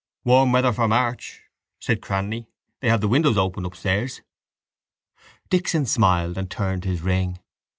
—Warm weather for March, said Cranly. They have the windows open upstairs. Dixon smiled and turned his ring.